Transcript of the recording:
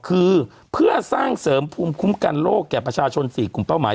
คือเพื่อสร้างเสริมภูมิคุ้มกันโลกแก่ประชาชน๔กลุ่มเป้าหมาย